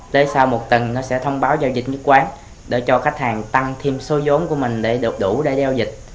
tới sau một tuần nó sẽ thông báo giao dịch nhất quán để cho khách hàng tăng thêm số giốn của mình để được đủ để giao dịch